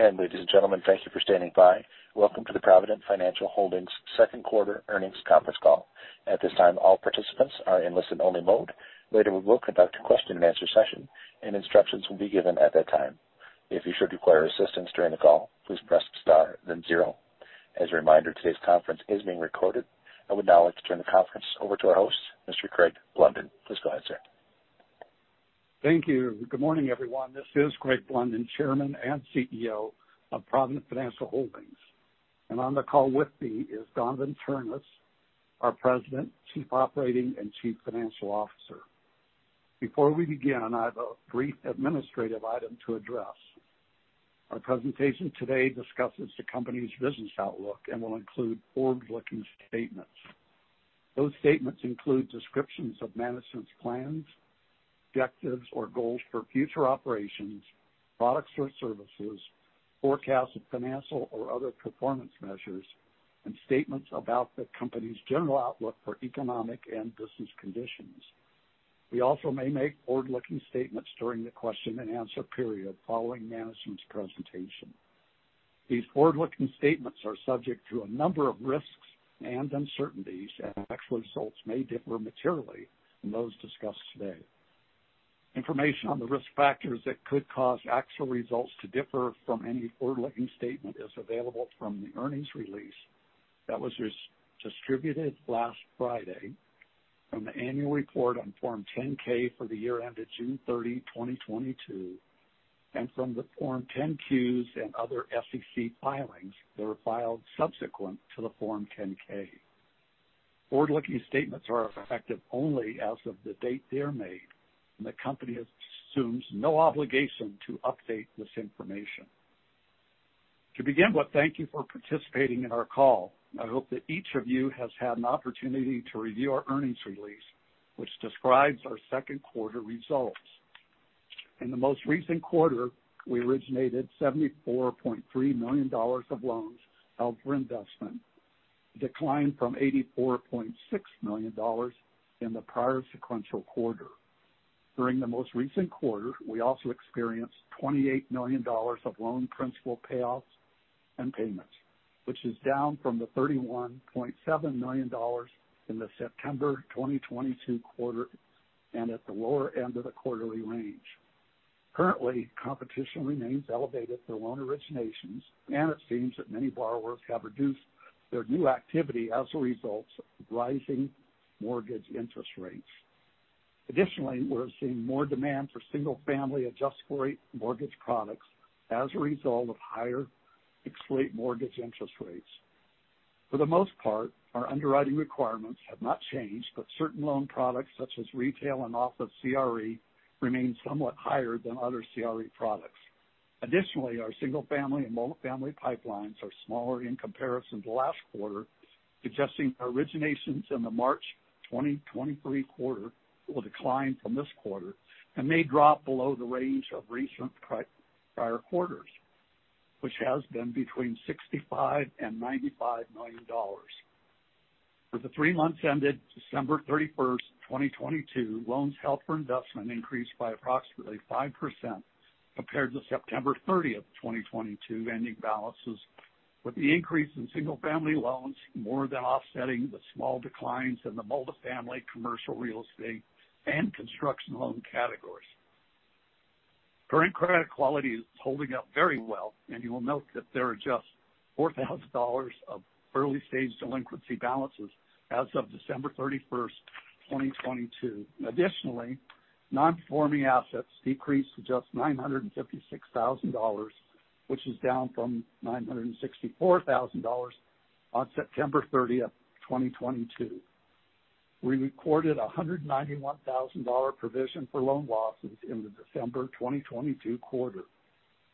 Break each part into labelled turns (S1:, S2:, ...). S1: Ladies and gentlemen, thank you for standing by. Welcome to the Provident Financial Holdings second quarter earnings conference call. At this time, all participants are in listen-only mode. Later, we will conduct a question-and-answer session, and instructions will be given at that time. If you should require assistance during the call, please press star then zero. As a reminder, today's conference is being recorded. I would now like to turn the conference over to our host, Mr. Craig Blunden. Please go ahead, sir.
S2: Thank you. Good morning, everyone. This is Craig Blunden, Chairman and CEO of Provident Financial Holdings. On the call with me is Don Von Ternes, our President, Chief Operating and Chief Financial Officer. Before we begin, I have a brief administrative item to address. Our presentation today discusses the company's business outlook and will include forward-looking statements. Those statements include descriptions of management's plans, objectives, or goals for future operations, products or services, forecasts of financial or other performance measures, and statements about the company's general outlook for economic and business conditions. We also may make forward-looking statements during the question-and-answer period following management's presentation. These forward-looking statements are subject to a number of risks and uncertainties, and actual results may differ materially from those discussed today. Information on the risk factors that could cause actual results to differ from any forward-looking statement is available from the earnings release that was distributed last Friday from the annual report on Form 10-K for the year-ended June 30th, 2022, and from the Form 10-Qs and other SEC filings that were filed subsequent to the Form 10-K. Forward-looking statements are effective only as of the date they are made, and the company assumes no obligation to update this information. To begin with, thank you for participating in our call. I hope that each of you has had an opportunity to review our earnings release, which describes our second quarter results. In the most recent quarter, we originated $74.3 million of loans held for investment, declined from $84.6 million in the prior sequential quarter. During the most recent quarter, we also experienced $28 million of loan principal payoffs and payments, which is down from the $31.7 million in the September 2022 quarter and at the lower end of the quarterly range. Currently, competition remains elevated for loan originations. It seems that many borrowers have reduced their new activity as a result of rising mortgage interest rates. Additionally, we're seeing more demand for single-family adjustable-rate mortgage products as a result of higher fixed-rate mortgage interest rates. For the most part, our underwriting requirements have not changed. Certain loan products such as retail and office CRE remain somewhat higher than other CRE products. Additionally, our single-family and multifamily pipelines are smaller in comparison to last quarter, suggesting our originations in the March 2023 quarter will decline from this quarter and may drop below the range of recent prior quarters, which has been between $65 million and $95 million. For the three months ended December 31st, 2022, loans held for investment increased by approximately 5% compared to September 30th, 2022 ending balances, with the increase in single-family loans more than offsetting the small declines in the multifamily commercial real estate and construction loan categories. Current credit quality is holding up very well. You will note that there are just $4,000 of early-stage delinquency balances as of December 31st, 2022. Non-performing assets decreased to just $956,000, which is down from $964,000 on September 30th, 2022. We recorded a $191,000 provision for loan losses in the December 2022 quarter.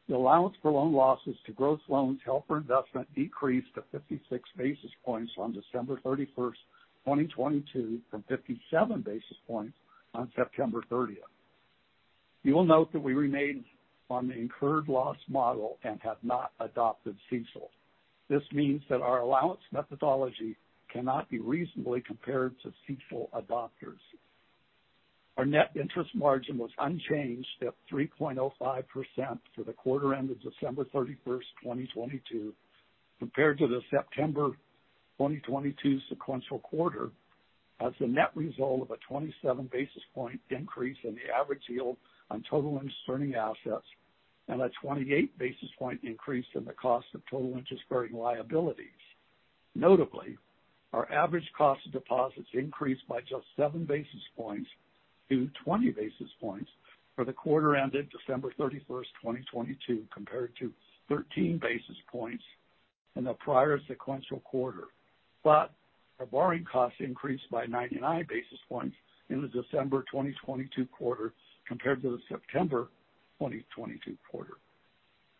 S2: The allowance for loan losses to gross loans held for investment decreased to 56 basis points on December 31st, 2022, from 57 basis points on September 30th. You will note that we remain on the incurred loss model and have not adopted CECL. This means that our allowance methodology cannot be reasonably compared to CECL adopters. Our net interest margin was unchanged at 3.05% for the quarter ended December 31st, 2022, compared to the September 2022 sequential quarter as a net result of a 27 basis point increase in the average yield on total interest-earning assets and a 28 basis point increase in the cost of total interest-earning liabilities. Notably, our average cost of deposits increased by just 7 basis points to 20 basis points for the quarter ended December 31, 2022, compared to 13 basis points in the prior sequential quarter. Our borrowing costs increased by 99 basis points in the December 2022 quarter compared to the September 2022 quarter.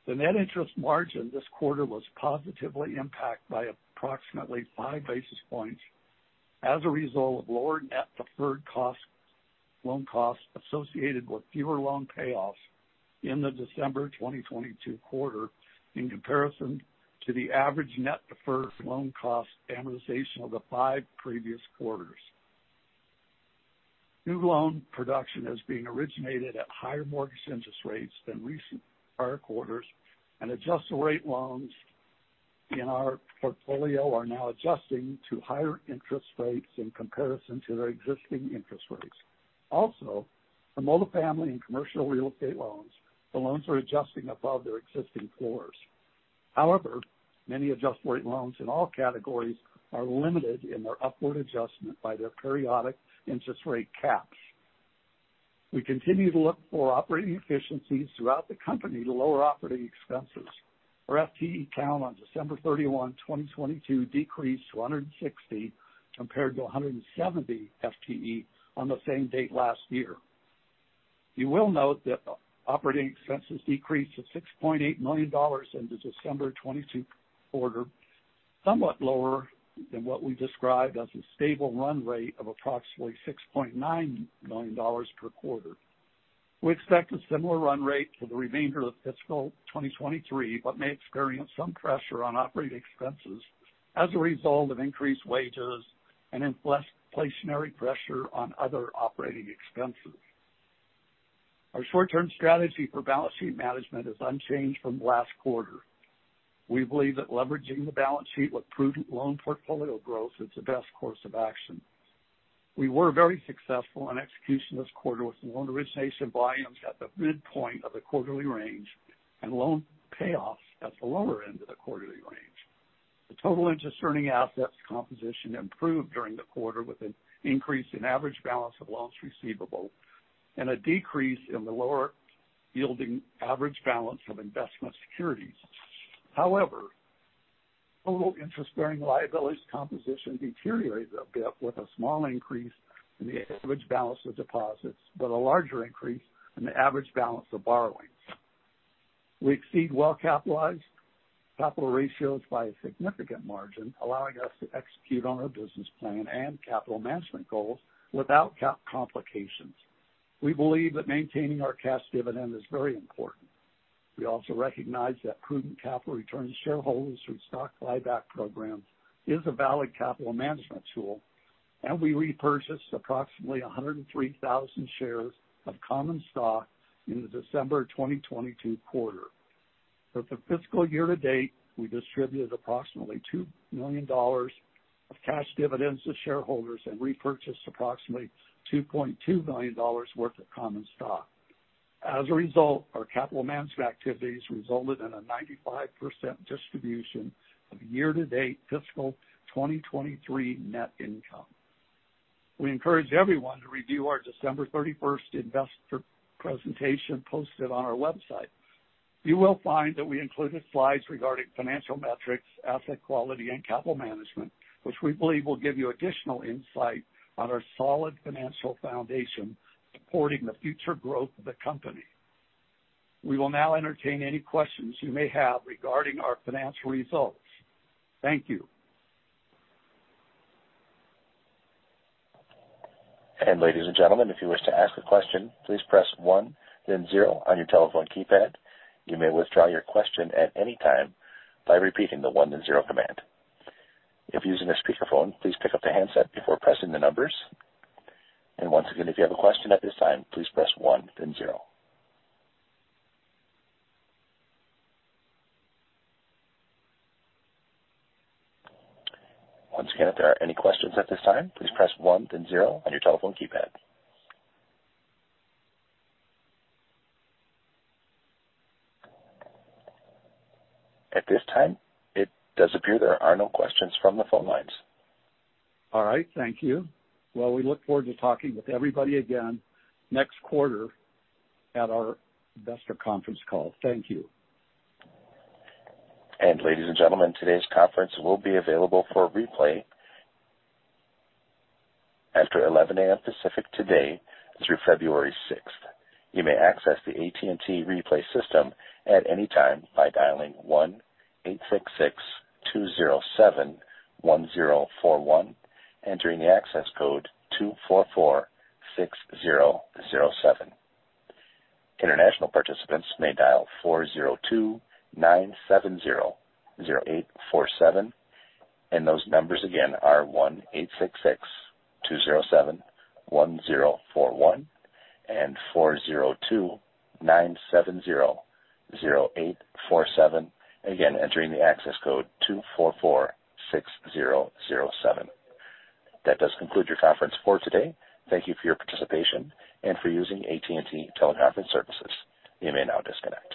S2: The net interest margin this quarter was positively impacted by approximately 5 basis points as a result of lower net deferred loan costs associated with fewer loan payoffs in the December 2022 quarter in comparison to the average net deferred loan cost amortization of the five previous quarters. New loan production is being originated at higher mortgage interest rates than recent prior quarters, adjusted rate loans in our portfolio are now adjusting to higher interest rates in comparison to their existing interest rates. Also, for multifamily and commercial real estate loans, the loans are adjusting above their existing floors. However, many adjust rate loans in all categories are limited in their upward adjustment by their periodic interest rate caps. We continue to look for operating efficiencies throughout the company to lower operating expenses. Our FTE count on December 31st, 2022 decreased to 160 compared to 170 FTE on the same date last year. You will note that operating expenses decreased to $6.8 million in the December 2022 quarter, somewhat lower than what we described as a stable run rate of approximately $6.9 million per quarter. We expect a similar run rate for the remainder of fiscal 2023, but may experience some pressure on operating expenses as a result of increased wages and inflationary pressure on other operating expenses. Our short-term strategy for balance sheet management is unchanged from last quarter. We believe that leveraging the balance sheet with prudent loan portfolio growth is the best course of action. We were very successful in execution this quarter with loan origination volumes at the midpoint of the quarterly range and loan payoffs at the lower end of the quarterly range. The total interest earning assets composition improved during the quarter, with an increase in average balance of loans receivable and a decrease in the lower yielding average balance of investment securities. However, total interest-bearing liabilities composition deteriorated a bit with a small increase in the average balance of deposits, but a larger increase in the average balance of borrowings. We exceed well-capitalized capital ratios by a significant margin, allowing us to execute on our business plan and capital management goals without cap complications. We believe that maintaining our cash dividend is very important. We also recognize that prudent capital returns to shareholders through stock buyback programs is a valid capital management tool. We repurchased approximately 103,000 shares of common stock in the December 2022 quarter. For the fiscal year to date, we distributed approximately $2 million of cash dividends to shareholders and repurchased approximately $2.2 million worth of common stock. As a result, our capital management activities resulted in a 95% distribution of year-to-date fiscal 2023 net income. We encourage everyone to review our December 31st investor presentation posted on our website. You will find that we included slides regarding financial metrics, asset quality, and capital management, which we believe will give you additional insight on our solid financial foundation supporting the future growth of the company. We will now entertain any questions you may have regarding our financial results. Thank you.
S1: Ladies and gentlemen, if you wish to ask a question, please press one then zero on your telephone keypad. You may withdraw your question at any time by repeating the one then zero command. If using a speakerphone, please pick up the handset before pressing the numbers. Once again, if you have a question at this time, please press one then zero. Once again, if there are any questions at this time, please press one then zero on your telephone keypad. At this time, it does appear there are no questions from the phone lines.
S2: All right. Thank you. Well, we look forward to talking with everybody again next quarter at our investor conference call. Thank you.
S1: Ladies and gentlemen, today's conference will be available for replay after 11:00 A.M. Pacific today through February 6th. You may access the AT&T Replay system at any time by dialing 1-866-207-1041, entering the access code 2446007. International participants may dial 402-970-0847. Those numbers again are 1-866-207-1041 and 402-970-0847, again entering the access code 2446007. That does conclude your conference for today. Thank you for your participation and for using AT&T teleconference services. You may now disconnect.